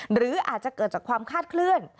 หรืออาจจะเกิดจากความคาดเคลื่อน